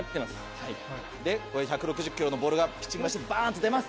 はいで１６０キロのボールがピッチングマシンでバンと出ます。